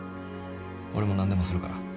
俺も何でもするから。